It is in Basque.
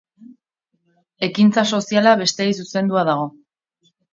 Ekintza soziala besteei zuzendua dago.